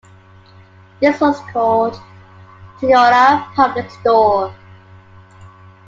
This was called "Toyota Public Store".